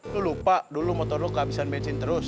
lu lupa dulu motor lo kehabisan bensin terus